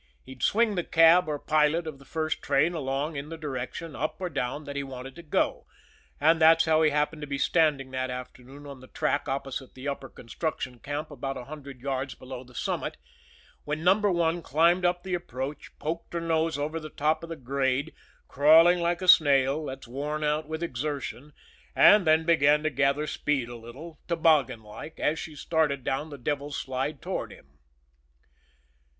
He'd swing the cab or pilot of the first train along in the direction, up or down, that he wanted to go and that's how he happened to be standing that afternoon on the track opposite the upper construction camp about a hundred yards below the summit, when Number One climbed up the approach, poked her nose over the top of the grade, crawling like a snail that's worn out with exertion, and then began to gather speed a little, toboggan like, as she started down the Devil's Slide toward him.